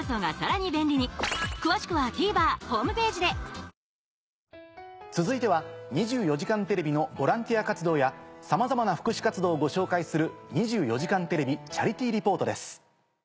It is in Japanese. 新「ＥＬＩＸＩＲ」続いては『２４時間テレビ』のボランティア活動やさまざまな福祉活動をご紹介する。